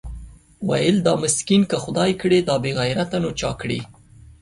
ويل دا مسکين که خداى کړې دا بېغيرته نو چا کړې؟